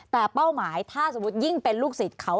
แต่เป้าหมายถ้าสมมุติยิ่งเป็นลูกศิษย์เขา